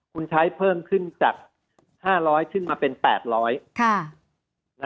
คุณใช้เพิ่มขึ้นจาก๕๐๐ขึ้นมาเป็น๘๐๐บาท